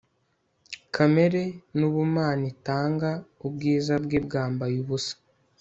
Kamere nubumana itanga ubwiza bwe bwambaye ubusa